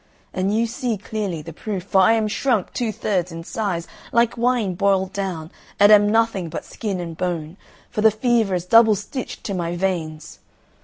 And you see clearly the proof, for I am shrunk two thirds in size, like wine boiled down, and am nothing but skin and bone, for the fever is double stitched to my veins.